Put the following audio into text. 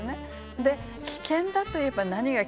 で危険だといえば何が危険か。